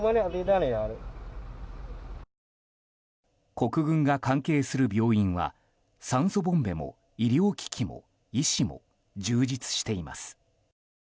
国軍が関係する病院は酸素ボンベも医療機器も医師も充実しています。